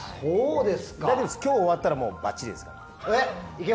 でも今日終わったらばっちりです。